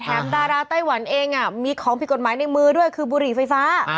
ดาราไต้หวันเองมีของผิดกฎหมายในมือด้วยคือบุหรี่ไฟฟ้า